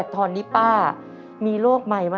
ตัดเหรอครับ